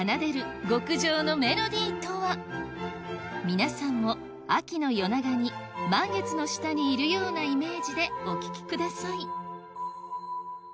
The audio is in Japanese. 皆さんも秋の夜長に満月の下にいるようなイメージでお聞きください